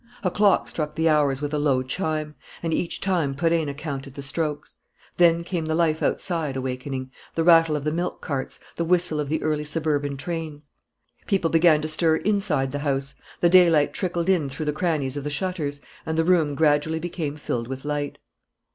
A clock struck the hours with a low chime; and each time Perenna counted the strokes. Then came the life outside awakening, the rattle of the milk carts, the whistle of the early suburban trains. People began to stir inside the house. The daylight trickled in through the crannies of the shutters, and the room gradually became filled with light.